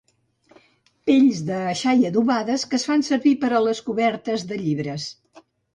Pells de xai adobades que es fan servir per a les cobertes de llibres.